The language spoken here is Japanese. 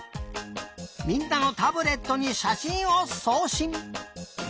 みんなのタブレットにしゃしんをそうしん！